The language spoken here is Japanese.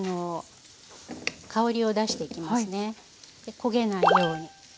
焦げないように。